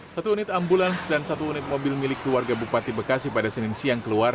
satu unit ambulans dan satu unit mobil milik keluarga bupati bekasi pada senin siang keluar